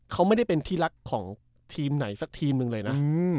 เขาไม่ได้เป็นที่รักของทีมไหนสักทีมหนึ่งเลยนะ